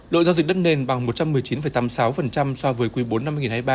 lội giao dịch đất nền bằng một trăm một mươi chín tám mươi sáu so với quý bốn năm hai nghìn hai mươi ba